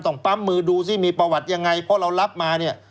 ต้องปั๊มมือดูสิมีประวัติยังไงเพราะเรารับมาเนี่ย